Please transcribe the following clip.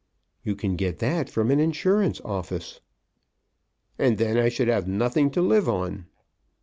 "You can get that from an insurance office." "And then I should have nothing to live on.